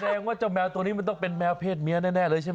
แสดงว่าเจ้าแมวตัวนี้มันต้องเป็นแมวเพศเมียแน่เลยใช่ไหม